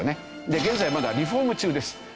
で現在まだリフォーム中です。